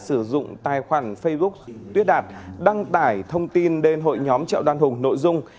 sử dụng tài khoản facebook tuyết đạt đăng tải thông tin đến hội nhóm chợ đoan hùng nội dung